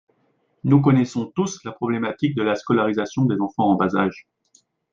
Nous connaissons tous la problématique de la scolarisation des enfants en bas âge.